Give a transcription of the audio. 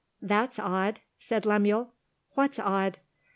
"That's odd," said Lemuel. "What's odd?"